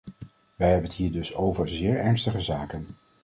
Wij hebben het hier dus over zeer ernstige zaken.